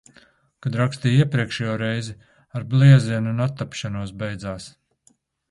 Kad rakstīju iepriekšējo reizi, ar bliezienu un attapšanos beidzās.